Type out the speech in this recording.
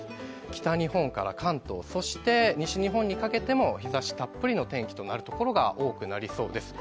北日本から関東、そして西日本にかけても日ざしたっぷりの天気となるところが多くなりそうです。